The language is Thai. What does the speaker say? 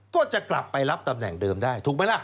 ก็จะกลับไปรับตำแหน่งเดิมได้ถูกไหมล่ะ